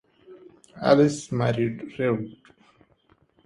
Alice married Revd.